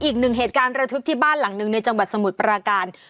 อีกหนึ่งเหตุการณ์ระทึกที่บ้านหลังหนึ่งในจังหวัดสมุทรปราการ